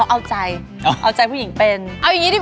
เสร็จแล้วถามว่าเชฟเนี่ยยังไม่ให้ไป